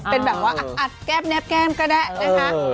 เป็นแบบว่าอัดแก้มแนบแก้มก็ได้นะคะ